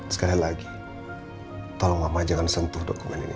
sekali lagi tolong mama jangan sentuh dokumen ini